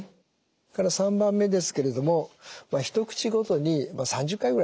それから３番目ですけれども一口ごとにまあ３０回ぐらいかもうと。